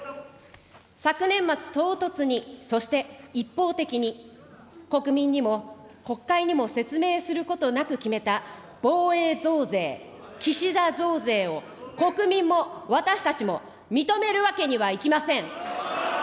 昨年末、唐突に、そして一方的に、国民にも国会にも説明することなく決めた防衛増税、岸田増税を国民も、私たちも認めるわけにはいきません。